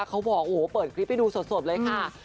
เขาบอกโหเปิดคลิปไปดูสดเลยค่ะ